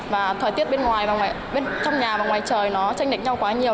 và thời tiết bên ngoài bên trong nhà và ngoài trời nó tranh định nhau quá nhiều